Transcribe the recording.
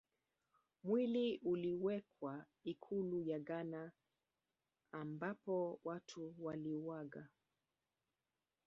Mwili uliwekwa ikulu ya Ghana ambapo Watu waliuaga